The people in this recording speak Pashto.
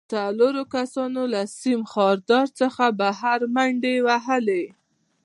څلورو کسانو له سیم خاردار څخه بهر منډې وهلې